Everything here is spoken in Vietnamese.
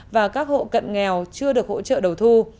và các hộ cận nghèo chưa được hỗ trợ đầu thu